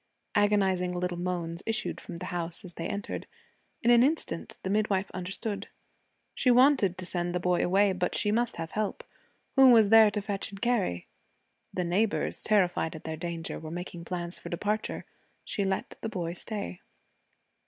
Agonizing little moans issued from the house as they entered. In an instant the midwife understood. She wanted to send the boy away, but she must have help. Who was there to fetch and carry? The neighbors, terrified at their danger, were making plans for departure. She let the boy stay.